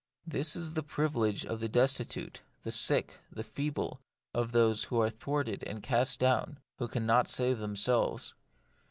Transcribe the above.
This is the privilege of the destitute, the sick, the feeble, of those who are thwarted and cast down, who cannot save themselves.